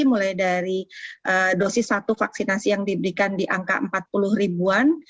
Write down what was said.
mulai dari dosis satu vaksinasi yang diberikan di angka empat puluh ribuan